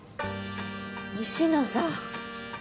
西野さん。